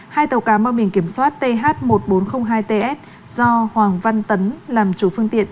hai tàu cá mang mình kiểm soát th một nghìn bốn trăm linh hai ts do hoàng văn tấn làm chủ phương tiện